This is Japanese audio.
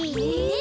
え！